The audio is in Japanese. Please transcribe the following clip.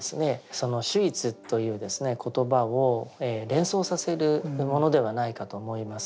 その「守一」という言葉を連想させるものではないかと思います。